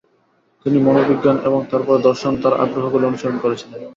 তিনি মনোবিজ্ঞান এবং তারপরে দর্শনে তাঁর আগ্রহগুলি অনুসরণ করেছিলেন।